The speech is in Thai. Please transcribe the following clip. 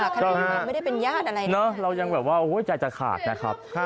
คดีมันไม่ได้เป็นญาติอะไรนะเรายังแบบว่าใจจะขาดนะครับ